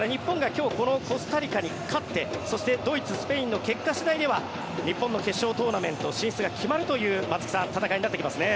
今日このコスタリカに勝ってそして、ドイツ、スペインの結果次第では日本の決勝トーナメント進出が決まるという、松木さん戦いになってきますね。